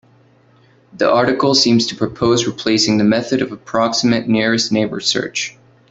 The article seems to propose replacing the method of approximate nearest neighbor search.